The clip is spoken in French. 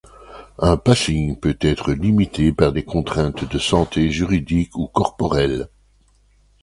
Un passing peut être limité par des contraintes de santé, juridiques, ou corporelles.